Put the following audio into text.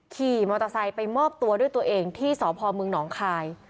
ขี่มอเตอร์ไซค์ไปมอบตัวด้วยตัวเองที่สพมหนองคาย